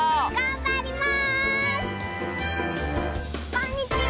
こんにちは！